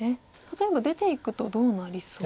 例えば出ていくとどうなりそう？